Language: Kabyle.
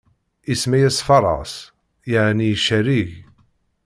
Isemma-yas Faraṣ, yeɛni icerrig.